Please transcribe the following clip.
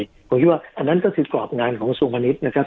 ผมคิดว่าอันนั้นก็คือกรอบงานของสวมนิตรนะครับ